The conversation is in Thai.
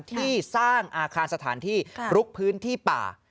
ที่สร้างอาคารสถานที่ลุกพื้นที่ป่า